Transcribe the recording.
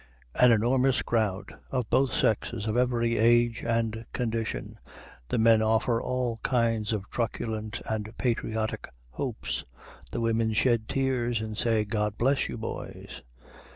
An enormous crowd! of both sexes, of every age and condition. The men offer all kinds of truculent and patriotic hopes; the women shed tears, and say, "God bless you, boys!"